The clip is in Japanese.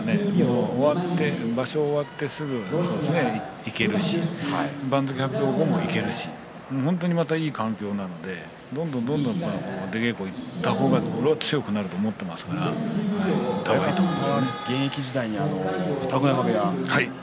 場所が終わってすぐ行けるし番付発表後も行けるし本当にいい環境なのでどんどん出稽古に行った方が現役時代、二子山部屋。